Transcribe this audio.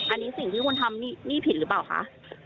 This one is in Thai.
อันนี้สิ่งที่คุณทำนี่ผิดหรือเปล่าคะ